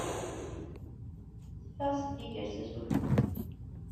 Teffeɣ seg iger s asuki.